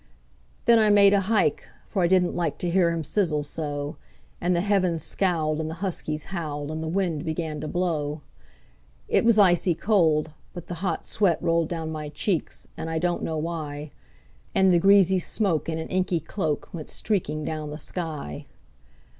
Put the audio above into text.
Then I made a hike, for I didn't like to hear him sizzle so; And the heavens scowled, and the huskies howled, and the wind began to blow. It was icy cold, but the hot sweat rolled down my cheeks, and I don't know why; And the greasy smoke in an inky cloak went streaking down the sky.